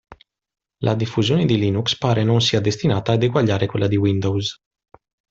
La diffusione di Linux pare non sia destinata ad eguagliare quella di Windows.